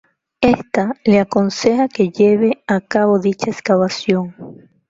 Ésta le aconseja que lleve a cabo dicha excavación.